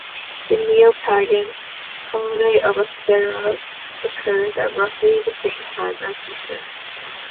The Neo-Pagan holiday of Ostara occurs at roughly the same time as Easter.